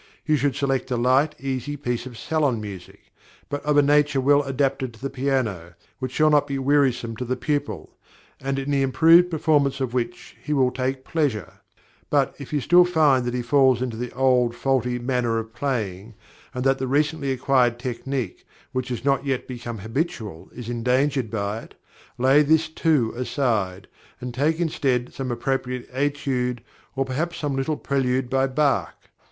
You should select a light, easy piece of salon music, but of a nature well adapted to the piano, which shall not be wearisome to the pupil, and in the improved performance of which he will take pleasure. But, if you still find that he falls into the old, faulty manner of playing, and that the recently acquired technique, which has not yet become habitual, is endangered by it, lay this too aside, and take instead some appropriate étude, or perhaps a little prelude by Bach.